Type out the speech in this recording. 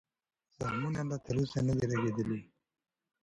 زخمونه لا تر اوسه نه دي رغېدلي.